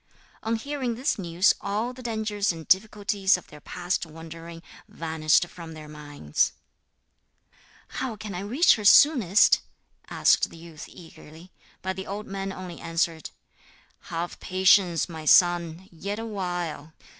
On hearing this news all the dangers and difficulties of their past wandering vanished from their minds. 'How can I reach her soonest?' asked the youth eagerly. But the old man only answered: 'Have patience, my son, yet awhile.